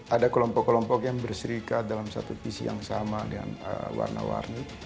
ada kelompok kelompok yang berserikat dalam satu visi yang sama dengan warna warni